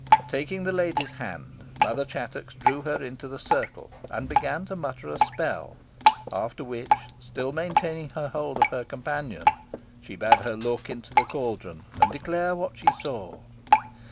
Taking the lady's hand, Mother Chattox drew her into the circle, and began to mutter a spell; after which, still maintaining her hold of her companion, she bade her look into the caldron, and declare what she saw.